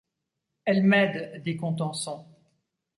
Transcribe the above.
Elle m’aide, dit Contenson.